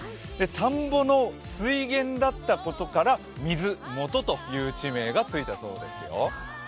田んぼの水源だったことから、水元という地名がついたようですよ。